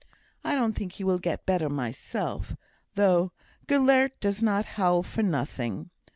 I don't think he will get better myself, though Gelert does not howl for nothing.